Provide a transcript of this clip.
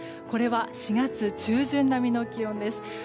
これは４月中旬並みの気温です。